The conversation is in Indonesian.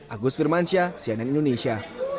agus firmansyah cnn indonesia